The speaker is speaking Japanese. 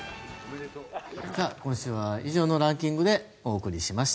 今週は以上のランキングでお送りしました。